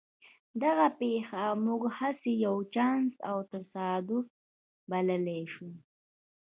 دغه پېښه موږ هسې یو چانس او تصادف بللای شو